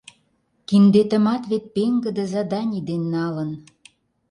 Киндетымат вет пеҥгыде заданий дене налын.